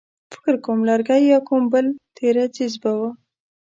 فکر کوم لرګی يا کوم بل تېره څيز به و.